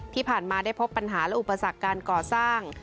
ที่ผ่านมาได้พบปัญหาและอุปสรรคการก่อสร้าง